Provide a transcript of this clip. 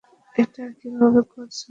এটা কিভাবে করেছ আমাকে বল!